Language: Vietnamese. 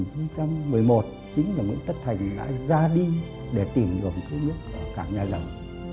và năm một nghìn chín trăm một mươi một chính là nguyễn tất thành đã ra đi để tìm đường cứu nước cả nhà dân